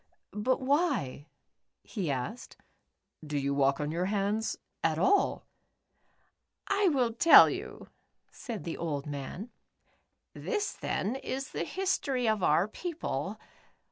"But why," he asked, " do you walk on your hands at all ?" "I will tell you," said the old man. "This theri is the history of our people.